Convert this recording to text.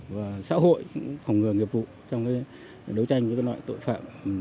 và xã hội phòng ngừa nghiệp vụ trong đấu tranh với loại tội phạm